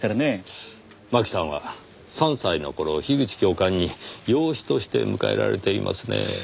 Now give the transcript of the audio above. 真紀さんは３歳の頃樋口教官に養子として迎えられていますね。